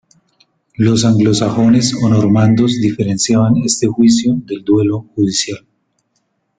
Los anglosajones o normandos diferenciaban este juicio del duelo judicial.